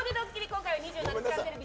今回は「２７時間テレビ」